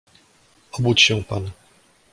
"Obudź się pan!"